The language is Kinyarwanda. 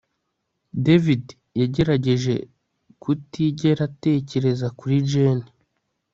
David yagerageje kutigera atekereza kuri Jane